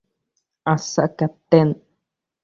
আচ্ছা, ক্যাপ্টেন।